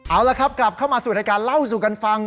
เอาละครับกลับเข้ามาสู่รายการเล่าสู่กันฟัง